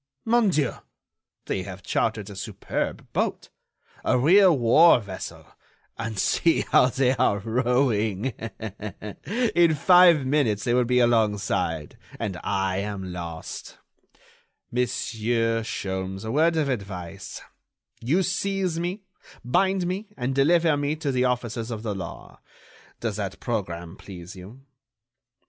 "Mon Dieu! they have chartered a superb boat, a real war vessel, and see how they are rowing. In five minutes they will be along side, and I am lost. Monsieur Sholmes, a word of advice; you seize me, bind me and deliver me to the officers of the law. Does that programme please you?...